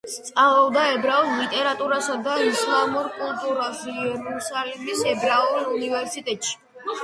სწავლობდა ებრაულ ლიტერატურასა და ისლამურ კულტურას იერუსალიმის ებრაულ უნივერსიტეტში.